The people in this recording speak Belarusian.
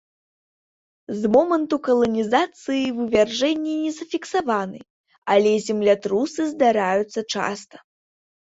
З моманту каланізацыі вывяржэнні не зафіксаваны, але землятрусы здараюцца часта.